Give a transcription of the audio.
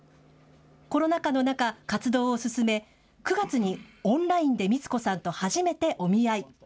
コロナ禍の中、活動を進め９月にオンラインでミツコさんと初めてお見合い。